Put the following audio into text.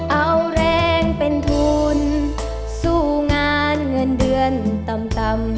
เอาแรงเป็นทุนสู้งานเงินเดือนต่ำ